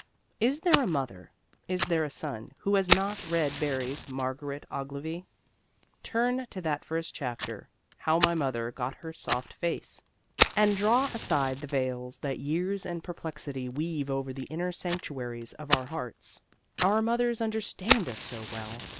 Is there a mother, is there a son, who has not read Barrie's "Margaret Ogilvy?" Turn to that first chapter, "How My Mother Got Her Soft Face," and draw aside the veils that years and perplexity weave over the inner sanctuaries of our hearts. Our mothers understand us so well!